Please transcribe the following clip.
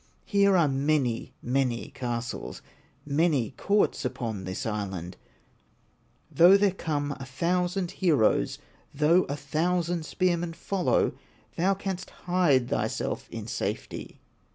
Here are many, many castles, Many courts upon this island; Though there come a thousand heroes, Though a thousand spearmen follow, Thou canst hide thyself in safety."